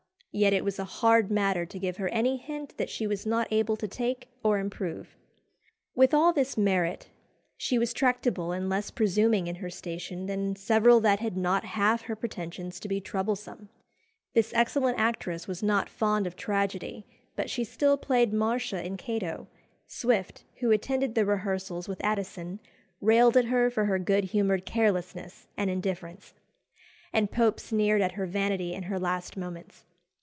Yet it was a hard matter to give her any hint that she was not able to take or improve." With all this merit, she was tractable and less presuming in her station than several that had not half her pretensions to be troublesome. This excellent actress was not fond of tragedy, but she still played Marcia in "Cato;" Swift, who attended the rehearsals with Addison, railed at her for her good humoured carelessness and indifference; and Pope sneered at her vanity in her last moments.